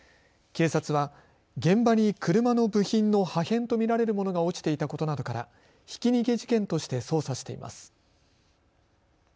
警察は、現場に車の部品の破片と見られるものが落ちていたことなどからひき逃げ事件として捜査しています。